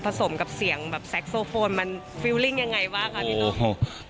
ผสมกับเสียงแซคโซโฟนมันความรู้สึกยังไงบ้างค่ะพี่น้อง